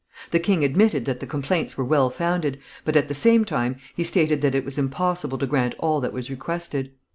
The king admitted that the complaints were well founded, but at the same time he stated that it was impossible to grant all that was requested.